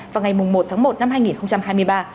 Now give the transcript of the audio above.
vào ngày một tháng một năm hai nghìn hai mươi ba